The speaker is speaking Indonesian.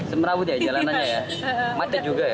semerawut ya jalanannya ya macet juga ya